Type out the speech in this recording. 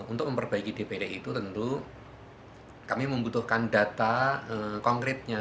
untuk memperbaiki dpd itu tentu kami membutuhkan data konkretnya